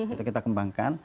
itu kita kembangkan